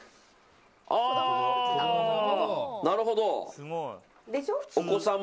なるほど。